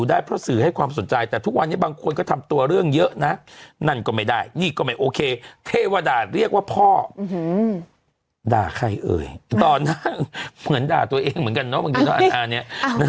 ด่าใครเอ่ยต่อหน้าเหมือนด่าตัวเองเหมือนกันเนอะบางทีต่อหน้าเนี่ย